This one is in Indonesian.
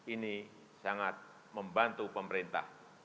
ini sangat membantu pemerintah